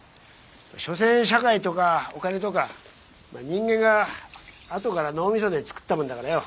所詮社会とかお金とか人間があとから脳みそで作ったもんだからよ。